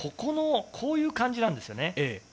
こういう感じなんですよね。